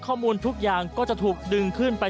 ทุกอย่างก็จะถูกดึงขึ้นไป